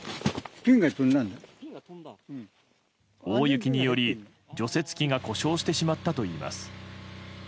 大雪により、除雪機が故障してしまったといいます。